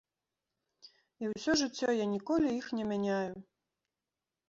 І ўсё жыццё я ніколі іх не мяняю.